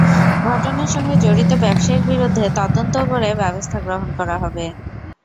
ঘটনার সঙ্গে জড়িত ব্যবসায়ীর বিরুদ্ধে তদন্ত করে ব্যবস্থা গ্রহণ করা হবে।